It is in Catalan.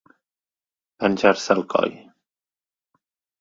Penjar-se al coll.